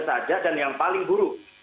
saja dan yang paling buruk